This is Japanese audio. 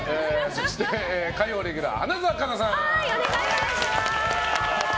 そして、火曜レギュラー花澤香菜さん。